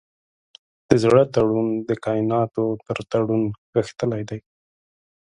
د زړه تړون د کایناتو تر تړون غښتلی دی.